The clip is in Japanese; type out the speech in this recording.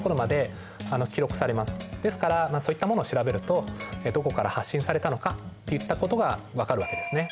ですからそういったものを調べるとどこから発信されたのかっていったことが分かるわけですね。